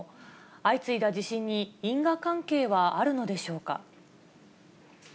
相次いだ地震に因果関係はあるのでしょうか。